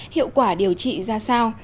hiệu quả điều trị ra sao